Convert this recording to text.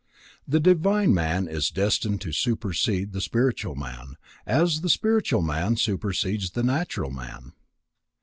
The divine man is destined to supersede the spiritual man, as the spiritual man supersedes the natural man.